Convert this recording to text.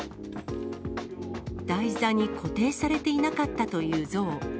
台座に固定されていなかったという像。